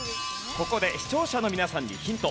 ここで視聴者の皆さんにヒント。